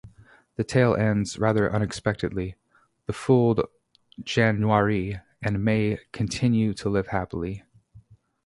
The tale ends rather unexpectedly: the fooled Januarie and May continue to live happily.